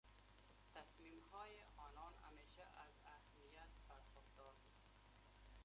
تصمیمهای آنان همیشه از اهمیت برخوردار بود.